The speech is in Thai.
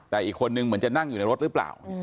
แต่อีกคนนึงเหมือนจะนั่งอยู่ในรถหรือเปล่า